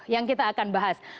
yang kita akan bahas